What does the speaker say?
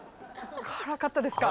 辛かったですか？